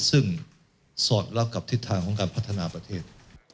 ซึ่งสอดรับกับทิศทางของการพัฒนาประเทศ